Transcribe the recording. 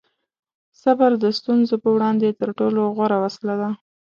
صبر د ستونزو په وړاندې تر ټولو غوره وسله ده.